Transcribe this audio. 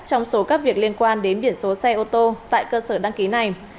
trong số các việc liên quan đến biển số xe ô tô tại cơ sở đăng ký này